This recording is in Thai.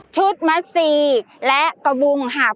ชุดมัสสีและกระบุงหาบ